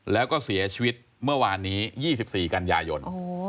แล้วก็เสียชีวิตเมื่อวานนี้๒๔กันยายน